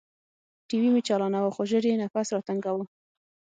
ټي وي مې چالاناوه خو ژر يې نفس راتنګاوه.